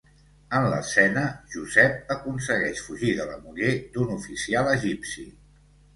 En l'escena, Josep aconsegueix fugir de la muller d'un oficial egipci.